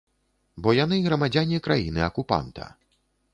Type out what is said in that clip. Бо яны грамадзяне краіны-акупанта.